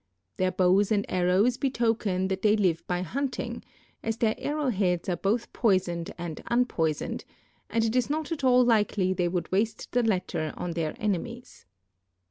Their bows and arrows betoken that they live by hunting, as their arrow heads are both poisoned and unpoisoned, and it is not at all likely they would waste the latter on their enemies.